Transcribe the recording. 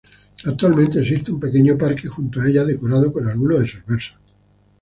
Actualmente existe un pequeño parque junto a ella decorado con algunos de sus versos.